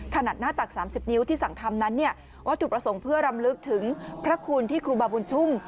ขนาดหน้าตัก๓๐นิ้วที่สั่งทำนั้นเนี่ยวัตถุประสงค์เพื่อรำลึกถึงพระคุณที่ครูบาบุญชุ่ม